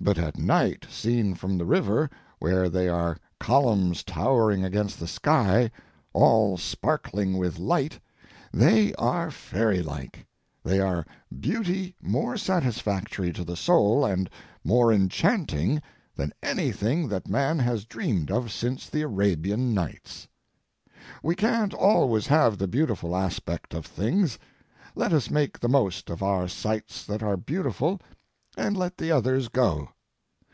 But at night, seen from the river where they are columns towering against the sky, all sparkling with light, they are fairylike; they are beauty more satisfactory to the soul and more enchanting than anything that man has dreamed of since the Arabian nights. We can't always have the beautiful aspect of things. Let us make the most of our sights that are beautiful and let the others go.